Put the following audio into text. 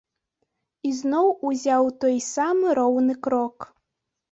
Ізноў узяў той самы роўны крок.